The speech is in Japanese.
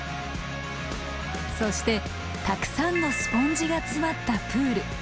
そしてたくさんのスポンジが詰まったプール。